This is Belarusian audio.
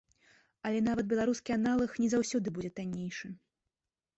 Але нават беларускі аналаг не заўсёды будзе таннейшы.